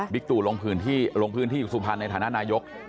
บิ๊กตุลงพื้นที่สุภาในฐานะนายก